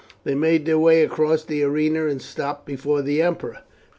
They made their way across the arena and stopped before the emperor.